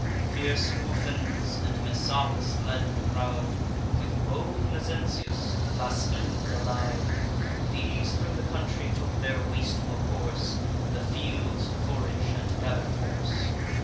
Fierce Ufens, and Messapus, led the crowd, With bold Mezentius, who blasphem'd aloud. These thro' the country took their wasteful course, The fields to forage, and to gather force.